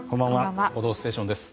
「報道ステーション」です。